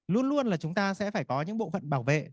luôn luôn là chúng ta sẽ phải có những bộ phận bảo vệ